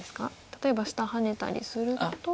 例えば下ハネたりすると。